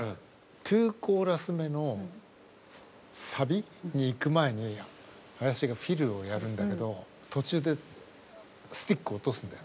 ２コーラス目のサビに行く前に林がフィルをやるんだけど途中でスティックを落とすんだよ。